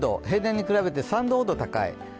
平年に比べて３度ほど高い。